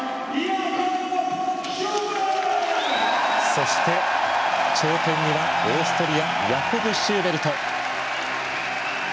そして、頂点にはオーストリアヤコブ・シューベルト。